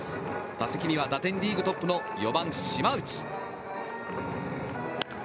打席には打点リーグトップの４番、島内。